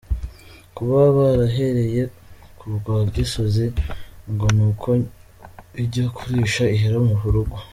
Kuba barahereye ku rwa Gisozi ngo ni uko “ijya kurisha ihera ku rugo”.